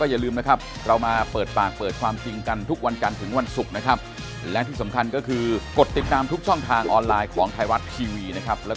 เพราะว่าติดต่อไปแล้วต้องแจ้งแล้ว